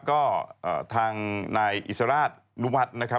ก็ทางนายอิสราชนุวัฒน์นะครับ